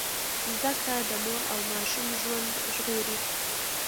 زده کړه د مور او ماشوم ژوند ژغوري۔